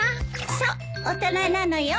そう大人なのよ。